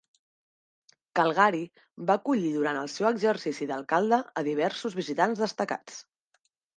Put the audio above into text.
Calgary va acollir durant el seu exercici d'alcalde a diversos visitants destacats.